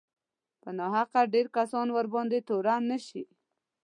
په ناحقه ډېر کسان ورباندې تورن نه شي